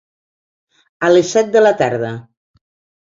A les set de la tarda.